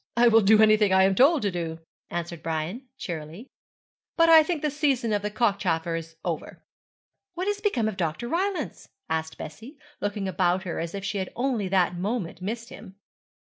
'I will do anything I am told to do,' answered Brian, cheerily. 'But I think the season of the cockchafer is over.' 'What has become of Dr. Rylance?' asked Bessie, looking about her as if she had only that moment missed him.